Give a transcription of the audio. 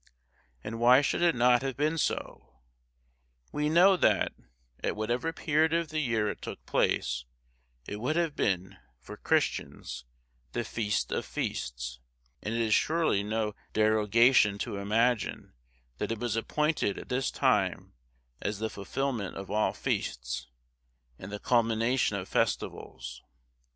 And why should it not have been so? We know that, at whatever period of the year it took place, it would have been, for Christians, "The Feast of Feasts;" and it is surely no derogation to imagine, that it was appointed at this time as the fulfilment of all feasts, and the culmination of festivals.